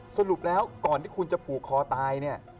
สรุปแล้วก่อนที่คุณจะผูกคอตายเนี่ย